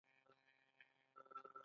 د سترګو د خارښ لپاره د څه شي اوبه وکاروم؟